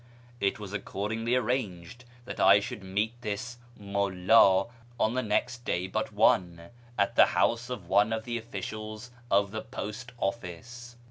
It was accordingly arranged that I should meet this " Mulla " on the next day but one, at the house of one of the officials of the post office.